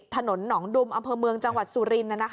ถนนหนองดุมอำเภอเมืองจังหวัดสุรินทร์